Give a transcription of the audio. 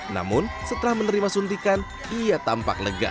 namun setelah menerima suntikan ia tampak lega